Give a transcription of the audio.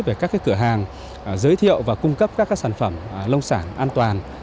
về các cửa hàng giới thiệu và cung cấp các sản phẩm nông sản an toàn